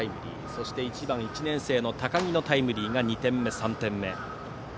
そして１番、１年生の高木のタイムリー２点目、３点目。